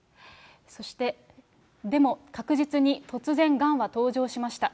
そして、でも確実に突然がんは登場しました。